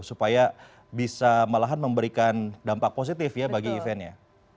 supaya bisa malahan memberikan dampak positif ya bagi eventnya